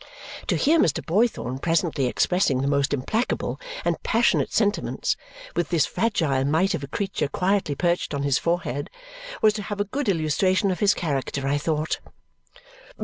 To hear Mr. Boythorn presently expressing the most implacable and passionate sentiments, with this fragile mite of a creature quietly perched on his forehead, was to have a good illustration of his character, I thought.